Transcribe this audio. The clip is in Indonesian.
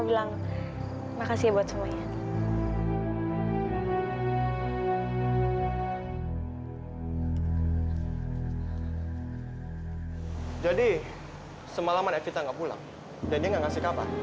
fit gimana evita udah telepon